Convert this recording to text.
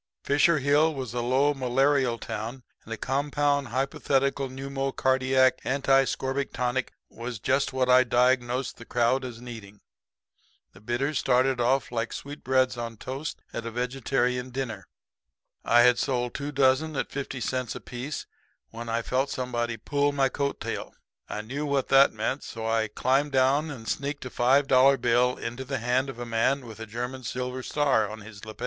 Fisher Hill was a low, malarial town; and a compound hypothetical pneumocardiac anti scorbutic tonic was just what I diagnosed the crowd as needing. The bitters started off like sweetbreads on toast at a vegetarian dinner. I had sold two dozen at fifty cents apiece when I felt somebody pull my coat tail. I knew what that meant; so I climbed down and sneaked a five dollar bill into the hand of a man with a German silver star on his lapel.